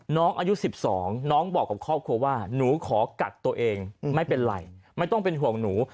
น้องอายุ๑๒น้องบอกกับครอบครัวว่าหนูขอกักตัวเองไม่เป็นไรไม่ต้องเป็นห่วงหนู